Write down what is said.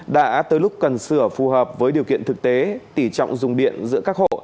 đã tới lúc cần sửa phù hợp với điều kiện thực tế tỷ trọng dùng điện giữa các hộ